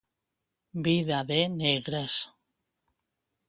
Vida de negres.